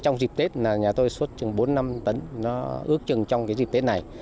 trong dịp tết nhà tôi xuất chừng bốn năm tấn nó ước chừng trong dịp tết này